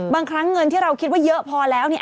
บางครั้งเงินที่เราคิดว่าเยอะพอแล้วเนี่ย